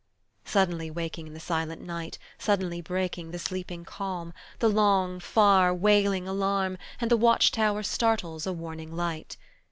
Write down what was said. Suddenly waking the silent night, Suddenly breaking the sleeping calm, The long, far, wailing alarm, And the watch tower startles a warning light.